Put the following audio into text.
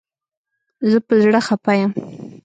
زه په زړه خپه یم